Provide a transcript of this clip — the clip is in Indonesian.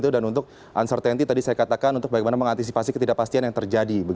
untuk uncertainty tadi saya katakan untuk bagaimana mengantisipasi ketidakpastian yang terjadi